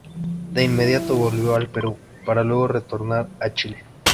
De inmediato volvió al Perú para luego retornar a Chile.